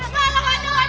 tolong wajah manusia